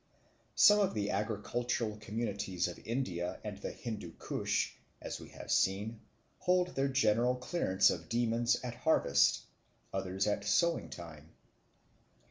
Some of the agricultural communities of India and the Hindoo Koosh, as we have seen, hold their general clearance of demons at harvest, others at sowing time.